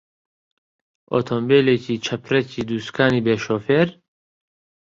ئۆتۆمبێلێکی چەپرەکی دووسوکانی بێ شۆفێر؟